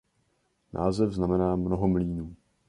Název znamená "mnoho mlýnů".